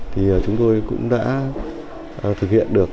thì chúng tôi cũng đã thực hiện được